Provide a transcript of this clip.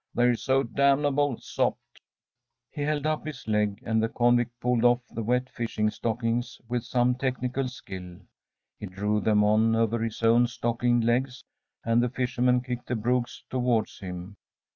They're so damnably sopped.‚ÄĚ He held up his leg, and the convict pulled off the wet fishing stockings with some technical skill. He drew them on over his own stockinged legs, and the fisherman kicked the brogues towards him.